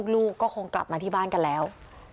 ลูกก็คงกลับมาที่บ้านกันแล้ว